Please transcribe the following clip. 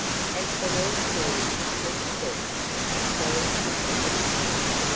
As the North Wind had said, so did the King.